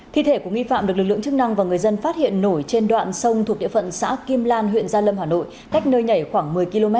thi thể của nghi phạm được lực lượng chức năng và người dân phát hiện nổi trên đoạn sông thuộc địa phận xã kim lan huyện gia lâm hà nội cách nơi nhảy khoảng một mươi km